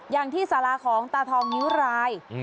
อย่างที่สาราของตาทองนิ้วราย